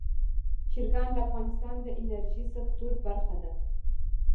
چرګان د افغانستان د انرژۍ سکتور برخه ده.